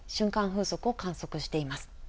風速を観測しています。